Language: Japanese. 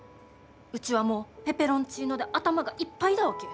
うちはもうペペロンチーノで頭がいっぱいだわけ。